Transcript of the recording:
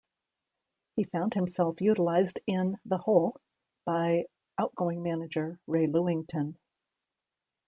He found himself utilised in "the hole" by outgoing manager Ray Lewington.